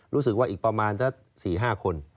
รู้สึกว่าอีกประมาณสัก๔๕คน